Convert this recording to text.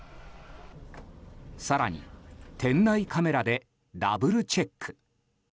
更に、店内カメラでダブルチェック。